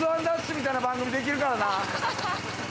みたいな番組できるからな！